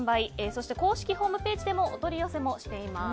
そして公式ホームページでもお取り寄せもしています。